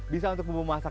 bisa untuk bumbu masak